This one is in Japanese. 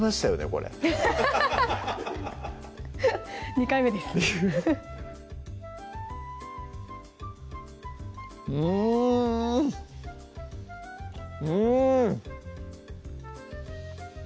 これ２回目ですうんうん！